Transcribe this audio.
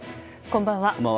こんばんは。